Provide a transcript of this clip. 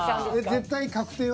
絶対確定は？